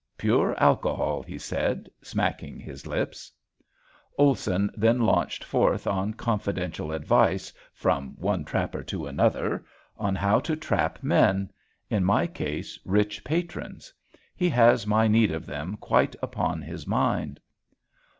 "Pure alcohol," he said, smacking his lips. Olson then launched forth on confidential advice, "from one trapper to another," on how to trap men, in my case rich patrons. He has my need of them quite upon his mind.